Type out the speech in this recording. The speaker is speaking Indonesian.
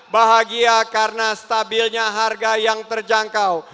bahagia karena stabilnya harga yang terjangkau